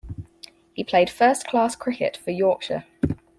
He played first-class cricket for Yorkshire.